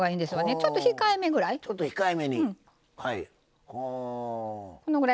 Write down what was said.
ちょっと控えめにはい。